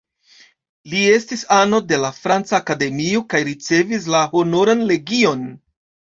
Li estis ano de la Franca Akademio kaj ricevis la Honoran Legion.